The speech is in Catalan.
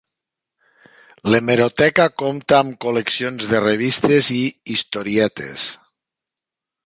L'hemeroteca compta amb col·leccions de revistes i historietes.